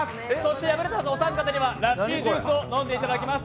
敗れたお三方にはラッピージュースを飲んでいただきます。